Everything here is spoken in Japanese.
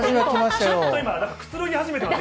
ちょっとくつろぎ始めてます